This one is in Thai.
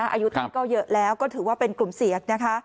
อายุท่านก็เยอะแล้วก็ถือว่าเป็นกลุ่มเสี่ยงนะคะ